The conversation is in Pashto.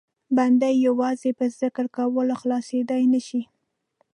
بنده یې یوازې په ذکر کولو خلاصېدای نه شي.